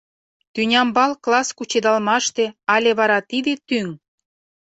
Тӱнямбал класс кучедалмаште але вара тиде тӱҥ?